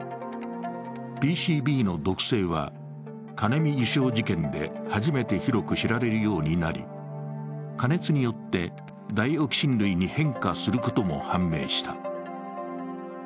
ＰＣＢの毒性は、カネミ油症事件で初めて広く知られるようになり、加熱によってダイオキシン類に変化することも判明した。